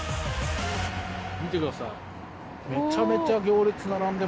見てください。